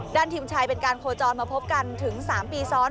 ทีมชายเป็นการโคจรมาพบกันถึง๓ปีซ้อน